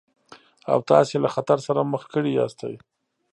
او تاسې يې له خطر سره مخ کړي ياستئ.